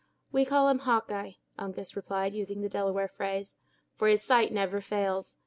"We call him Hawkeye," Uncas replied, using the Delaware phrase; "for his sight never fails.